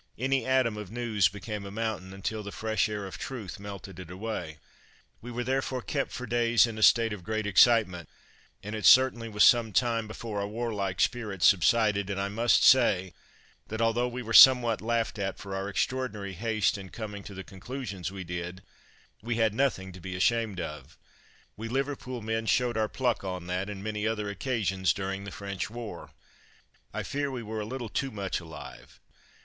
Any atom of news became a mountain, until the fresh air of truth melted it away. We were therefore kept for days in a state of great excitement, and it certainly was some time before our warlike spirit subsided, and I must say that although we were somewhat laughed at for our extraordinary haste in coming to the conclusions we did, we had nothing to be ashamed of. We Liverpool men showed our pluck on that and many other occasions during the French war. I fear we were a little too much alive.